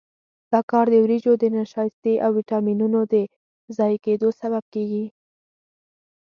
دا کار د وریجو د نشایستې او ویټامینونو د ضایع کېدو سبب کېږي.